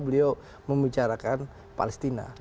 beliau membicarakan palestina